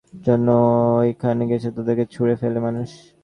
এখনকার দিনে খ্যাতি ফেলে যাদের জন্য ওখানে গেছে, তাদেরকেই ছুঁড়ে ফেলে মানুষ।